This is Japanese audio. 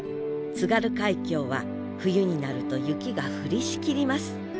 津軽海峡は冬になると雪が降りしきります。